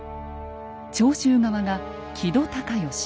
長州側が木戸孝允。